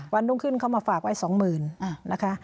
วันตรงขึ้นเขามาฝากไว้สองหมื่นนะคะ